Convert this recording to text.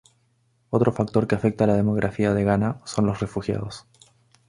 Otro factor que afecta a la demografía de Ghana son los refugiados.